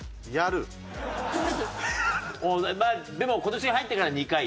まあでも今年に入ってから２回よ。